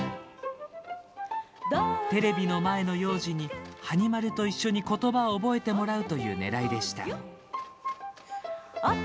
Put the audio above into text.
テレビの前の幼児にはに丸と一緒に言葉を覚えてもらうというねらいでした。